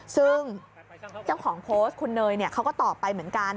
ซึ่งเจ้าของโพสต์คุณเนยเขาก็ตอบไปเหมือนกัน